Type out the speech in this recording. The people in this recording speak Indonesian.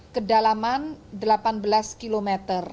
kedalaman delapan belas km